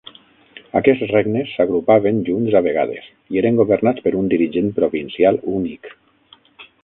Aquests regnes s'agrupaven junts a vegades i eren governats per un dirigent provincial únic.